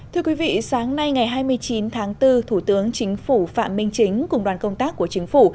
thưa quý vị sáng nay ngày hai mươi chín tháng bốn thủ tướng chính phủ phạm minh chính cùng đoàn công tác của chính phủ